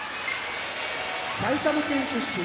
埼玉県出身